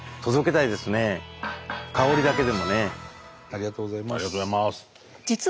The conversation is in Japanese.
ありがとうございます。